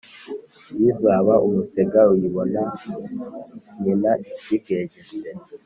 Izaba umusega uyibona n yina I,kiyibwegetse